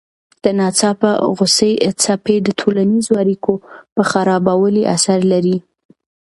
د ناڅاپه غوسې څپې د ټولنیزو اړیکو په خرابوالي اثر لري.